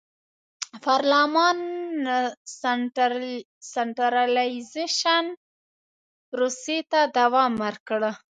پارلمان سنټرالیزېشن پروسې ته دوام ورکړ.